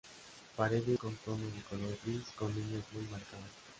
Paredes con tono de color gris con líneas muy marcadas.